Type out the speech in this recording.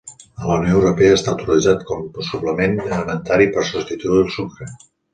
A la Unió Europea està autoritzat com suplement alimentari per substituir el sucre.